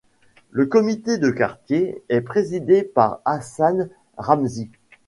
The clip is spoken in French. Le comité de quartier est présidé par Hassan Ramzi.